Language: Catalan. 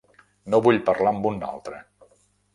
No vull parlar amb un altre.